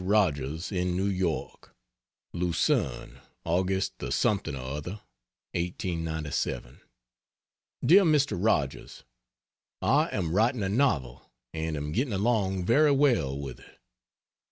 Rogers, in New York: LUCERNE, August the something or other, 1897. DEAR MR. ROGERS, I am writing a novel, and am getting along very well with it.